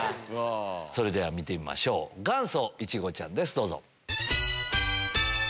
それでは見てみましょう元祖いちごちゃんですどうぞ。